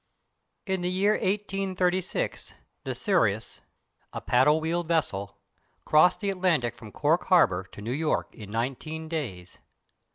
In the year 1836 the Sirius, a paddle wheel vessel, crossed the Atlantic from Cork Harbour to New York in nineteen days.